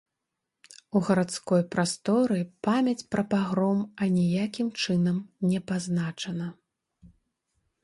У гарадской прасторы памяць пра пагром аніякім чынам не пазначана.